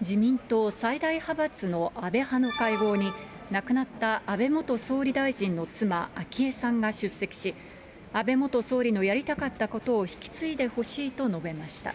自民党最大派閥の安倍派の会合に、亡くなった安倍元総理大臣の妻、昭恵さんが出席し、安倍元総理のやりたかったことを引き継いでほしいと述べました。